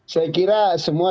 saya kira semua